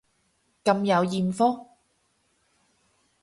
咁有艷福